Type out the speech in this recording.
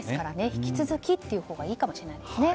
引き続きっていうほうがいいかもしれないですね。